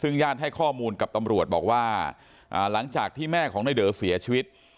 ซึ่งญาติให้ข้อมูลกับตำรวจบอกว่าหลังจากที่แม่ของนายเด๋อเสียชีวิต